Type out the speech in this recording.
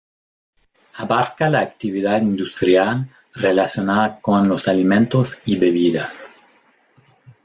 Abarca la actividad industrial relacionada con los alimentos y bebidas.